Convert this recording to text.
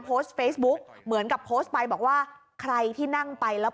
โพสต์เฟซบุ๊กเหมือนกับโพสต์ไปบอกว่าใครที่นั่งไปแล้ว